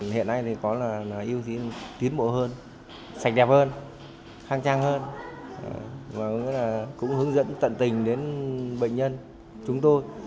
hiện nay thì có là yêu thí tiến bộ hơn sạch đẹp hơn hang trang hơn và cũng hướng dẫn tận tình đến bệnh nhân chúng tôi